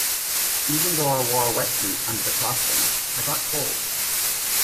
Even though I wore a wet suit under the costume, I got cold.